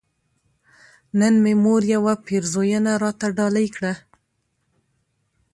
نن مې مور يوه پيرزوينه راته ډالۍ کړه